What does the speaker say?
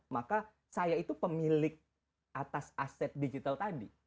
maka saya itu pemilik atas aset digital tadi